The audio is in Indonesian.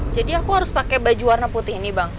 jadi aku harus pakai baju warna putih ini bang